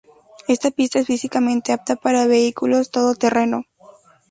Esta pista es físicamente apta para vehículos todoterreno.